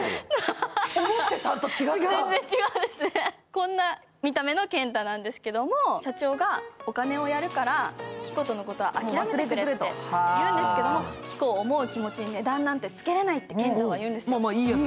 こんな見た目の健太なんですけれども、社長がお金をやるから、キコとのことは諦めてくれと言うんですけど、キコを思う気持ちに値段なんてつけれないって健太は言うんですよ。